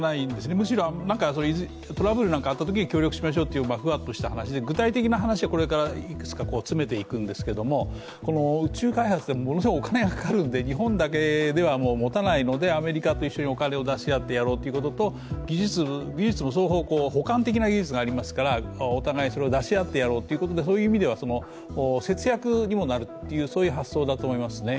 むしろトラブルなどがあったときに協力しましょうといったふわっとした話で具体的な話はこれからいくつか詰めていくんですけど宇宙開発はものすごくお金がかかるので日本だけではもたないのでアメリカと一緒にお金を出し合ってやろうってことと技術も補完的な技術がありますからお互いそれを出し合ってやろうという意味で、そういう意味では節約にもなるっていう、そういう発想だと思いますね。